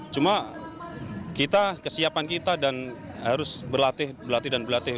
cuma kita kesiapan kita dan harus berlatih berlatih dan berlatih